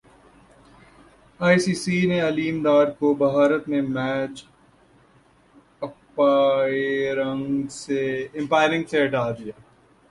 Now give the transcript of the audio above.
ائی C C نے علیم ڈار کو بھارت میں میچ امپائرنگ سے ہٹا دیا